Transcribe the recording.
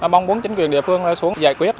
mong muốn chính quyền địa phương xuống giải quyết